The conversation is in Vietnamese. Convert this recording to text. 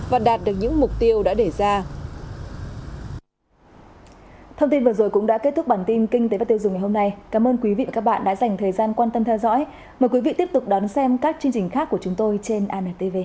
và đạt được những mục tiêu đã để ra